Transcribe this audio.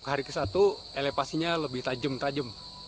hari ke satu elepasinya lebih tajam tajam